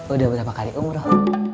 udah berapa kali umroh